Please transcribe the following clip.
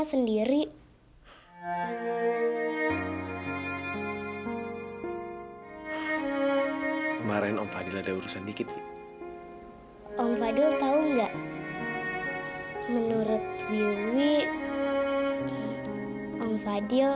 sampai jumpa di video selanjutnya